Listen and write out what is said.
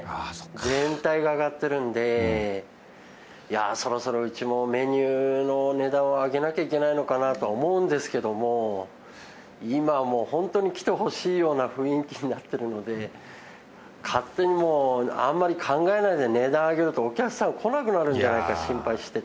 全体が上がってるんで、そろそろうちもメニューの値段を上げなきゃいけないのかなとは思うんですけど、今もう本当に来てほしいような雰囲気になってるので、勝手にあまり考えないで値段上げると、お客さん来なくなるんじゃないか心配してて。